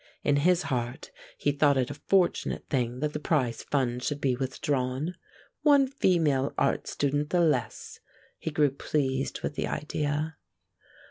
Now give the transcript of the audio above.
In his heart he thought it a fortunate thing that the prize fund should be withdrawn. One female art student the less: he grew pleased with the idea.